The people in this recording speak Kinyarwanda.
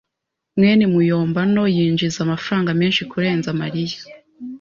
mwene muyombano yinjiza amafaranga menshi kurenza Mariya.